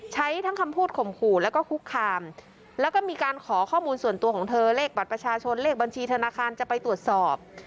ใช้ทั้งคำพูดข่มขู่แล้วก็คุกคามแล้วก็มีการขอข้อมูลส่วนตัวของเธอเลขบัตรประชาชนเลขบัญชีธนาคารจะไปตรวจสอบ